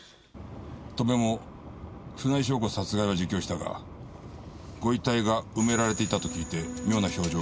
戸辺も船井翔子殺害は自供したがご遺体が埋められていたと聞いて妙な表情を浮かべていた。